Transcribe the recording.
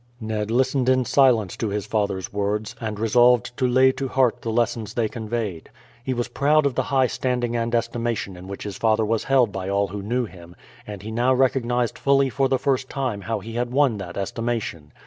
Ned listened in silence to his father's words, and resolved to lay to heart the lessons they conveyed. He was proud of the high standing and estimation in which his father was held by all who knew him, and he now recognized fully for the first time how he had won that estimation.